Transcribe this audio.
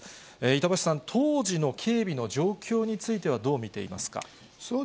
板橋さん、当時の警備の状況についてはどう見ていますか。